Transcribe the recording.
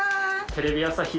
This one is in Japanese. テレビ朝日